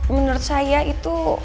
menurut saya itu